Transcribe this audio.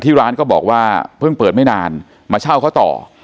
ร้านก็บอกว่าเพิ่งเปิดไม่นานมาเช่าเขาต่อ